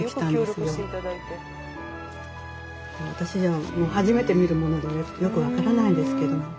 私じゃもう初めて見るものでよく分からないんですけど。